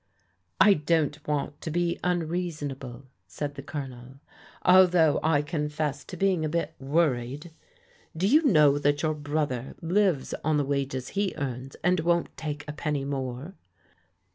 '* I doti't want to be unreasonable," said the Colonel, "although I confess to being a bit worried. Do you know that your brother lives on the wages he earns and won't take a penny more?"